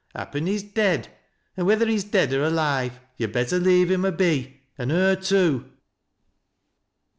Happen he's dead ; an' whether he's dead oi slii/e, you'd better leave him a be, an' her too."